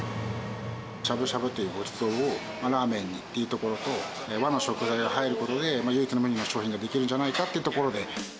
しゃぶしゃぶというごちそうをラーメンに、いいところと、和の食材が入ることで、唯一無二の商品ができるんじゃないかってところで。